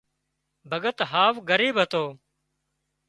ڀڳت هاوَ ڳريٻ هتو